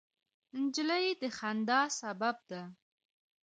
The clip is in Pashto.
نجلۍ د خندا سبب ده.